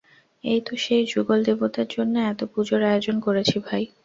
তাই তো সেই যুগল দেবতার জন্যে এত পুজোর আয়োজন করেছি ভাই!